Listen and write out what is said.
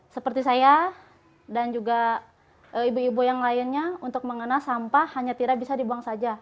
seperti saya dan juga ibu ibu yang lainnya untuk mengenal sampah hanya tidak bisa dibuang saja